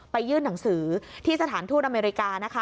ยื่นหนังสือที่สถานทูตอเมริกานะคะ